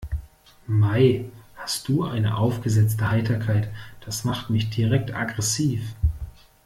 Mei, hast du eine aufgesetzte Heiterkeit, das macht mich direkt aggressiv.